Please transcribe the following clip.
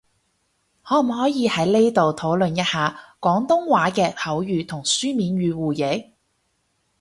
可唔可以喺呢度討論一下，廣東話嘅口語同書面語互譯？